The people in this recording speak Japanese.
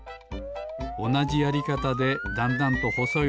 おなじやりかたでだんだんとほそい